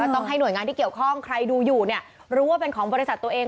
ต้องให้หน่วยงานที่เกี่ยวข้องใครดูอยู่เนี่ยรู้ว่าเป็นของบริษัทตัวเอง